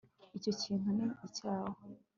icyo kintu ni icyawe